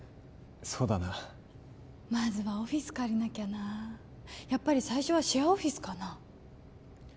そうだなまずはオフィス借りなきゃなやっぱり最初はシェアオフィスかな